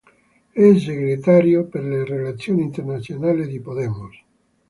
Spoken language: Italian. È segretario per le relazioni internazionali di Podemos.